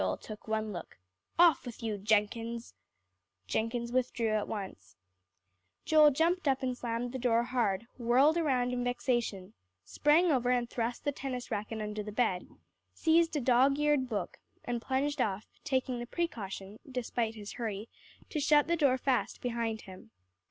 Joel took one look "off with you, Jenkins." Jenkins withdrew at once. Joel jumped up and slammed the door hard, whirled around in vexation, sprang over and thrust the tennis racket under the bed, seized a dog eared book, and plunged off, taking the precaution, despite his hurry, to shut the door fast behind him.